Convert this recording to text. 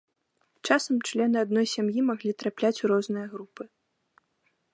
Часам члены адной сям'і маглі трапляць у розныя групы.